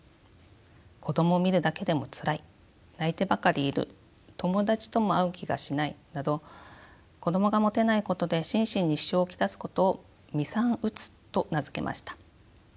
子どもを見るだけでもつらい泣いてばかりいる友達とも会う気がしないなど子どもが持てないことで心身に支障を来すことを未産うつと名付けました。